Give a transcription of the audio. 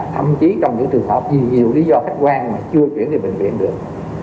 thậm chí trong những trường hợp vì nhiều lý do khách quan mà chưa chuyển về bệnh viện được